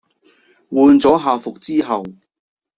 換咗校服之後